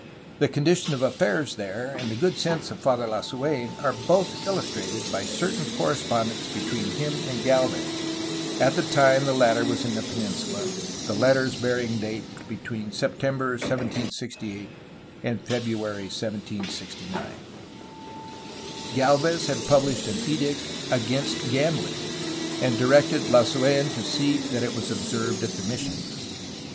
The condition of affairs there and the good sense of Father Lasu^n are both illustrated by certain correspondence between him and Gdlvez, at the <time the latter was in the peninsula, the letters bearing date between September 1768 and February 1769. Gdlvez had pubhshed an edict against gambling, and di rected Lasu^n to see that it was observed at the mission.